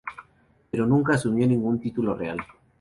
Pero nunca asumió ningún título real.